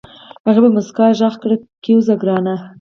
هغې په موسکا غږ کړ کېوځه ګرانه.